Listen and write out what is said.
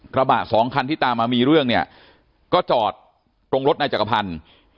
กระบาด๒คันที่ตามมามีเรื่องก็จอดตรงรถนายจักรภัณฑ์